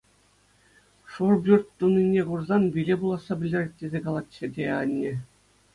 Шур пӳрт тунине курсан виле пуласса пӗлтерет тесе калатчӗ те анне.